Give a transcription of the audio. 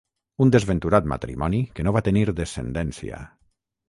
Un desventurat matrimoni que no va tenir descendència.